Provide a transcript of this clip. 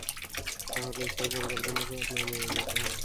তাহলে, ঈশ্বরের পরিকল্পনাকেও আপনার মেনে নিতে হবে!